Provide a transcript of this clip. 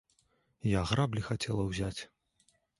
Я граблі хацела ўзяць!